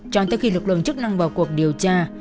cho tới khi lực lượng chức năng vào cuộc điều tra